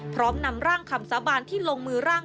พร้อมนำร่างคำสาบานที่ลงมือร่าง